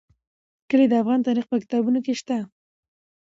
کلي د افغان تاریخ په کتابونو کې شته.